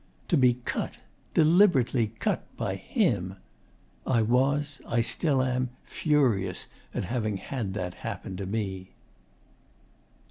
To be cut deliberately cut by HIM! I was, I still am, furious at having had that happen to me.